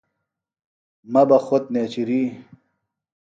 مہ بہ خوۡت نیچِری